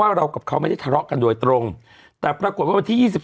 เรากับเขาไม่ได้ทะเลาะกันโดยตรงแต่ปรากฏว่าวันที่๒๑